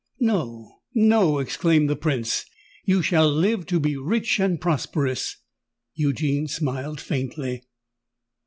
"No—no!" exclaimed the Prince; "you shall live to be rich and prosperous——" Eugene smiled faintly.